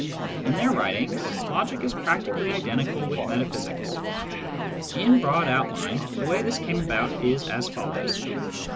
In their writings, logic is practically identical with metaphysics. In broad outline, the way this came about is as follows.